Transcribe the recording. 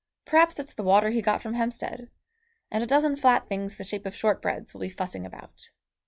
Perhaps it's the water he got from Hampstead, and a dozen flat things the shape of shortbreads will be fussing about.